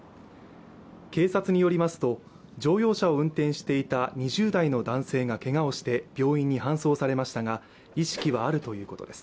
警察によりますと乗用車を運転していた２０代の男性がけがをして病院に搬送されましたが意識はあるということです。